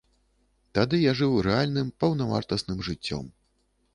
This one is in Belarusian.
Тады я жыў рэальным, паўнавартасным жыццём.